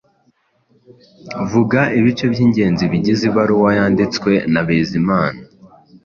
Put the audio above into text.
Vuga ibice by’ingenzi bigize ibaruwa yanditswe na Bizimana.